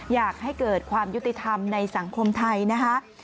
อยากให้เกิดความยุติธรรมในสังคมไทยนะคะ